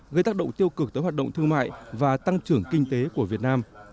gây tác động tiêu cực tới hoạt động thương mại và tăng trưởng kinh tế của việt nam